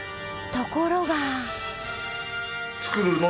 ところが。